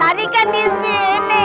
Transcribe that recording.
tadi kan disini